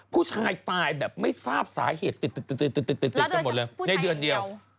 ผู้ชายตายแบบไม่ทราบสาเหตุติดกันหมดเลยในเดือนเดียว